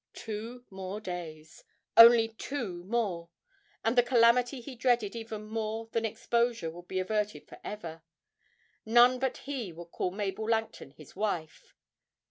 Two more days only two more and the calamity he dreaded even more than exposure would be averted for ever none but he would call Mabel Langton his wife!